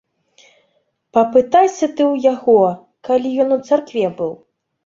Папытайся ты ў яго, калі ён у царкве быў?